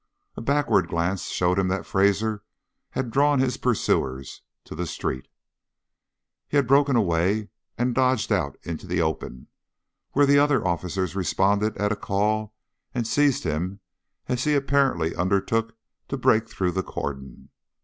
A backward glance showed him that Fraser had drawn his pursuers to the street. He had broken away and dodged out into the open, where the other officers responded at a call and seized him as he apparently undertook to break through the cordon.